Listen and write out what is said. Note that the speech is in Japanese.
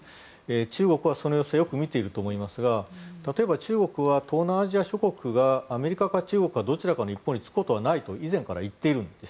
中国はその様子をよく見ていると思いますが例えば中国は東南アジア諸国がアメリカか中国かどちらかの一方につくことはないと以前から言っているんです。